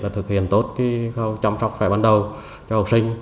thực hiện tốt chăm sóc khai bắn đầu cho học sinh